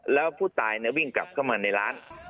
แล้วผู้ตายวิ่งกลับเข้ามาในร้าน